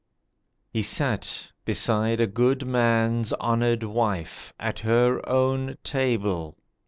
He sat beside a good man's honoured wife At her own table.